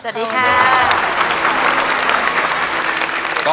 สวัสดีครับ